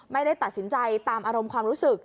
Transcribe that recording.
ไม่ได้ตัดสินใจตามอารมณ์ความรู้สึก